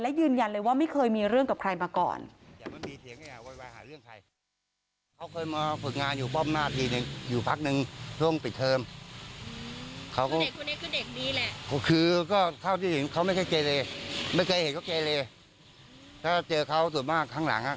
และยืนยันเลยว่าไม่เคยมีเรื่องกับใครมาก่อน